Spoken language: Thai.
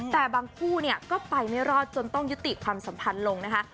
แต่บางคู่เนี่ยก็ไปไม่รอดจนต้องยุติความสัมพันธ์ลงนะคะ